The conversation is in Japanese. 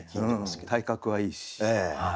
体格はいいし。